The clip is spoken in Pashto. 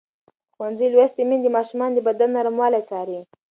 ښوونځې لوستې میندې د ماشومانو د بدن نرموالی څاري.